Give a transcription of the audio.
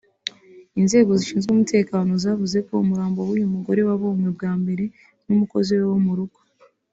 Inzego zishinzwe umutekano zavuze ko umurambo w’uyu mugore wabonywe bwa mbere n’umukozi we wo mu rugo